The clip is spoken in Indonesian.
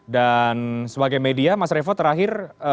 dan sebagai media mas revo terakhir